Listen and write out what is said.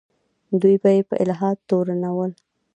دوی به یې په الحاد تورنول.